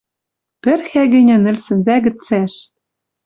Пӹрхӓ гӹньӹ нӹл сӹнзӓ гӹц цӓш?